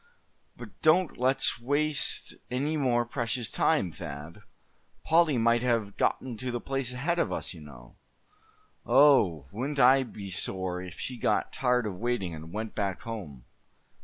"But don't let's waste any more precious time, Thad. Polly might have gotten to the place ahead of us, you know. Oh! wouldn't I be sore if she got tired of waiting, and went back home."